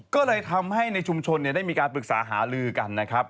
ก็เลยทำให้ในชุมชนได้มีการปรึกษาหาลือกันนะครับ